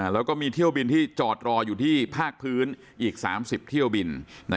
แล้วก็มีเที่ยวบินที่จอดรออยู่ที่ภาคพื้นอีก๓๐เที่ยวบิน